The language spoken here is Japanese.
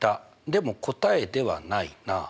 でも答えではないな。